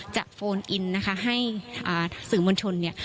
โฟนอินนะคะให้สื่อมวลชนเนี่ย